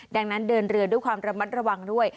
ดังนั้นเดินเรือด้วยความระมัดระวังด้วย